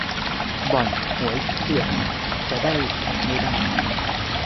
บ่อน-หวยเถื่อนจะได้แข่งไม่ได้